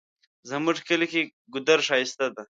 زمونږ کلی ګودر ښایسته ده